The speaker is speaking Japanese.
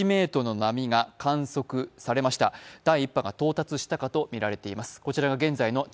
第１波が到達したかとみられています。